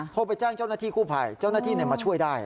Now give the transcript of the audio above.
โทรไปแจ้งเจ้าหน้าที่กู้ภัยเจ้าหน้าที่มาช่วยได้